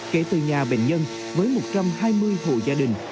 kể từ nhà bệnh nhân với một trăm hai mươi hộ gia đình